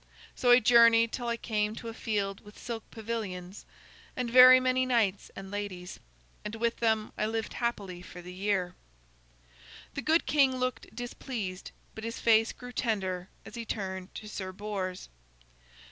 So I journeyed till I came to a field with silk pavilions and very many knights and ladies. And with them I lived happily for the year." The good king looked displeased, but his face grew tender as he turned to Sir Bors.